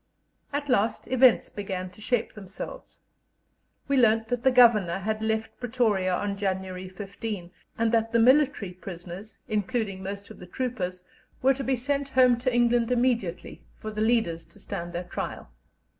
At last events began to shape themselves. We learnt that the Governor had left Pretoria on January 15, and that the military prisoners, including most of the troopers, were to be sent home to England immediately, for the leaders to stand their trial.